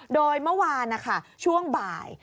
โดยเมื่อวานช่วงบ่าย